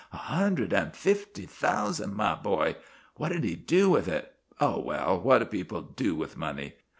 A hundred and fifty thousand, my boy! What did he do with it? Oh, well, what do people do with money?